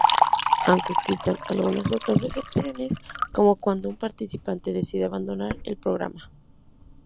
Aunque existan algunas otras excepciones como cuando un participante decide abandonar el programa.